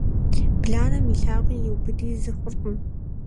Бланэм и лъагъуи и убыди зы хъуркъым.